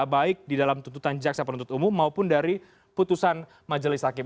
baik di dalam tuntutan jaksa penuntut umum maupun dari putusan majelis hakim